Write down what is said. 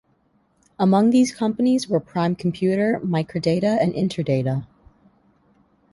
Among these companies were Prime Computer, Microdata, and Interdata.